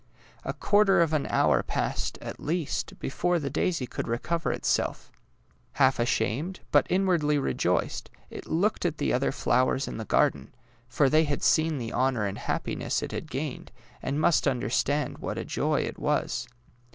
A quarter of an hour passed, at least, before the daisy could recover itself. Half ashamed, but inwardly rejoiced, it looked at the other flowers in the garden, for they had seen the honour and happiness it had gained, and must understand what a joy it was.